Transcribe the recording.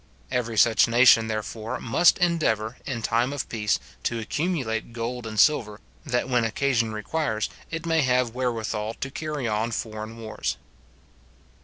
Every such nation, therefore, must endeavour, in time of peace, to accumulate gold and silver, that when occasion requires, it may have wherewithal to carry on foreign wars.